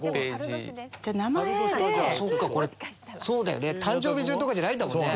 そうだよね。